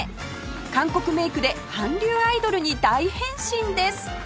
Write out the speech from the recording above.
韓国メイクで韓流アイドルに大変身です